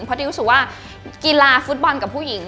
เพราะดิวรู้สึกว่ากีฬาฟุตบอลกับผู้หญิง